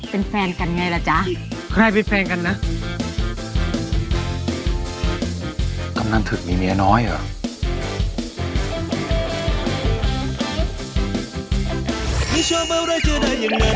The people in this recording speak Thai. เพราะว่าก็มาสองคนนี้เป็นแฟนกันไงล่ะจ๊ะ